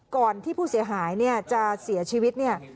ก่อนที่ผู้เสียหายเนี่ยจะเสียชีวิตเนี่ย